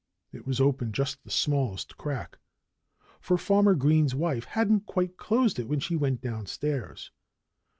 It was open just the smallest crack, for Farmer Green's wife hadn't quite closed it when she went downstairs.